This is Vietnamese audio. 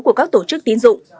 của các tổ chức tín dụng